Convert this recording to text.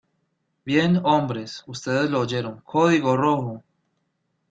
Bien, hombres. Ustedes lo oyeron .¡ código rojo!